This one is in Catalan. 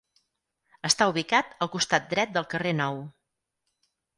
Està ubicat al costat dret del carrer Nou.